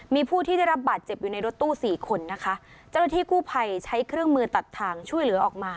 มีผู้ที่ได้รับบาดเจ็บอยู่ในรถตู้สี่คนนะคะเจ้าหน้าที่กู้ภัยใช้เครื่องมือตัดทางช่วยเหลือออกมา